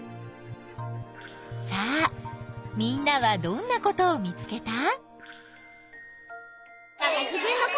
さあみんなはどんなことを見つけた？